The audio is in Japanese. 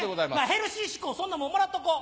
ヘルシー志向そんなもんもらっとこう。